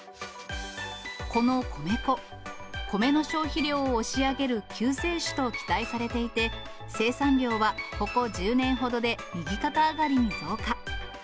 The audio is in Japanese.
この米粉、米の消費量を押し上げる救世主と期待されていて、生産量はここ１０年ほどで右肩上がりに増加。